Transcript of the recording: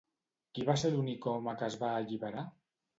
Qui va ser l'únic home que es va alliberar?